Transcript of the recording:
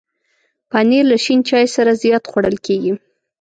پنېر له شین چای سره زیات خوړل کېږي.